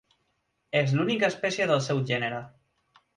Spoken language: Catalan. És l'única espècie del seu gènere.